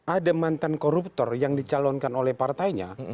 ada mantan koruptor yang dicalonkan oleh partainya